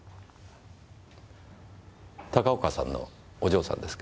高岡さんのお嬢さんですか？